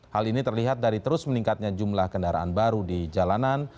hal ini terlihat dari terus meningkatnya jumlah kendaraan baru di jalanan